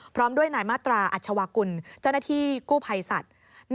พร้อมด้วยนายมาตราอัชวากุลเจ้าหน้าที่กู้ภัยสัตว์